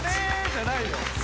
じゃないよ。